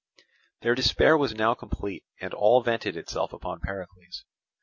Their despair was now complete and all vented itself upon Pericles.